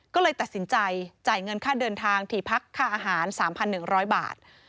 ก็เลยตัดสินใจจ่ายเงินค่าเดินทางถี่พักค่าอาหาร๓๑๐๐บาท